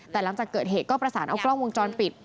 แต่หลังจากเกิดเหตุก็ประสานเอากล้องวงจรปิด